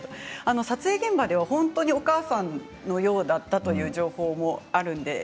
撮影現場では本当にお母さんのようだったという情報もあるんです。